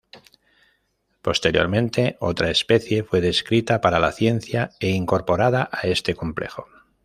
Posteriormente, otra especie fue descrita para la ciencia e incorporada a este complejo.